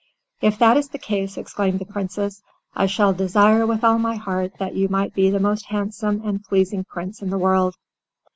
"If that is the case," exclaimed the Princess, "I desire with all my heart that you might be the most handsome and pleasing Prince in the world."